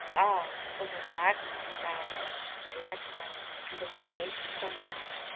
Ah, what a madman dance We led them, and escaped somehow!